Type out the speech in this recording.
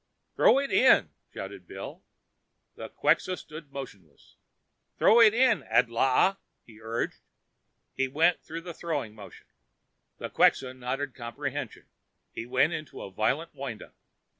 "Throw it in!" shouted Bill. The Quxa stood motionless. "Throw it in, Adlaa!" Bill urged. He went through a throwing motion. The Quxa nodded comprehension. He went into a violent wind up.